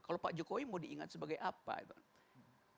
kalau pak jokowi mau diingat sebagai apa itu